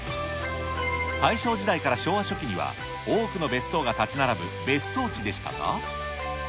大正時代から昭和初期には、多くの別荘が建ち並ぶ別荘地でしたが。